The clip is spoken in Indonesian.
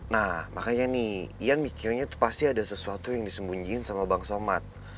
nah makanya nih ian mikirnya tuh pasti ada sesuatu yang disembunyiin sama bang somad